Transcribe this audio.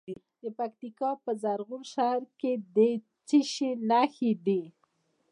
د پکتیکا په زرغون شهر کې د څه شي نښې دي؟